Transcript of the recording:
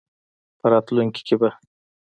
په راتلونکې کې به